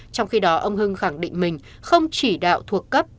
trong khi đó ông hưng khẳng định mình không chỉ đạo thuộc cấp